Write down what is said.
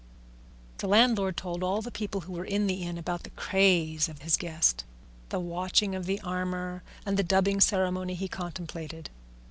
The landlord told all the people who were in the inn about the craze of his guest, the watching of the armour, and the dubbing ceremony he contemplated.